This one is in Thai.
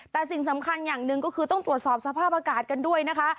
แต่สิ่งสำคัญอย่างหนึ่งก็คือต้องตรวจสอบสภาพอากาศกันด้วยนะคะ